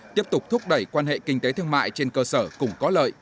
tiếp tục thúc đẩy quan hệ kinh tế thương mại trên cơ sở cùng có lợi